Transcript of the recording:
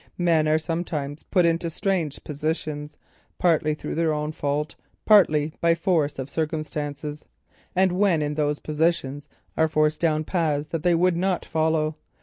Men are sometimes put into strange positions, partly through their own fault, partly by force of circumstances, and when in those positions, are forced down paths that they would not follow.